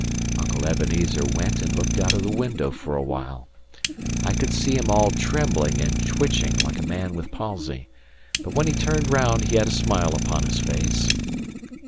Uncle Ebenezer went and looked out of the window for awhile. I could see him all trembling and twitching, like a man with palsy. But when he turned round, he had a smile upon his face.